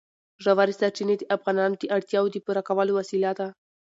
ژورې سرچینې د افغانانو د اړتیاوو د پوره کولو وسیله ده.